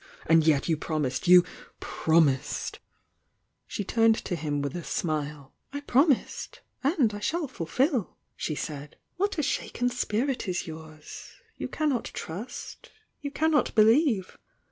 And yet you promised — you promised " She turned to him vith a smile. "I promised— and I shall fulfil!" she said. "What a shaken spirit is yours!— You cannot trust— you cannot believe!